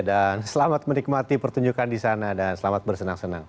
dan selamat menikmati pertunjukan di sana dan selamat bersenang senang